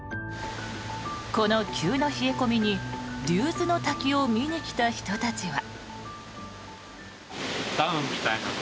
この急な冷え込みに竜頭ノ滝を見に来た人たちは。